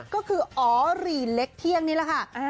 ก็คืออ๋อหรี่เล็กเที่ยงนี่แหละค่ะ